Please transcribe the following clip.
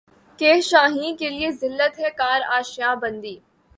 کہ شاہیں کیلئے ذلت ہے کار آشیاں بندی